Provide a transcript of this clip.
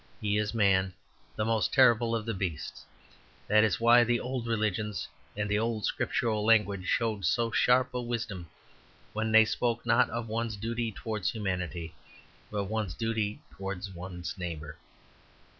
He is Man, the most terrible of the beasts. That is why the old religions and the old scriptural language showed so sharp a wisdom when they spoke, not of one's duty towards humanity, but one's duty towards one's neighbour.